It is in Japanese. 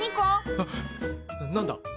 あっ何だ？